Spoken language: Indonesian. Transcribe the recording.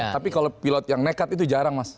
tapi kalau pilot yang nekat itu jarang mas